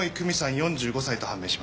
４５歳と判明しました。